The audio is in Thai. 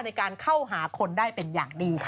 ในการเข้าหาคนได้เป็นอย่างดีค่ะ